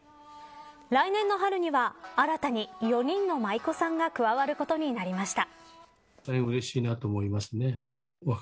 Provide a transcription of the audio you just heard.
来年の春には新たに４人の舞子さんが加わることになりました。